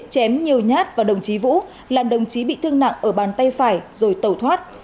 kêu nhát vào đồng chí vũ là đồng chí bị thương nặng ở bàn tay phải rồi tẩu thoát